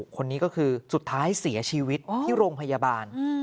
คนนี้ก็คือสุดท้ายเสียชีวิตที่โรงพยาบาล